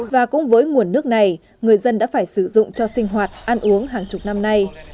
và cũng với nguồn nước này người dân đã phải sử dụng cho sinh hoạt ăn uống hàng chục năm nay